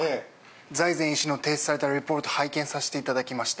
財前医師の提出されたレポート拝見さしていただきました。